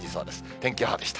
天気予報でした。